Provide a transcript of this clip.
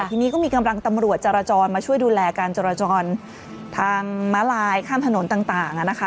ทีนี้ก็มีกำลังตำรวจจรจรมาช่วยดูแลการจราจรทางม้าลายข้ามถนนต่างนะคะ